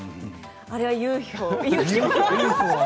あれはＵＦＯ。